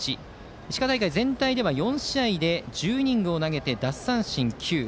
石川大会全体では４試合で１０イニングを投げて奪三振９。